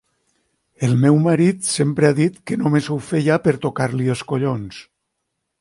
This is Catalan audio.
El meu marit sempre ha dit que només ho feia per tocar-li els collons.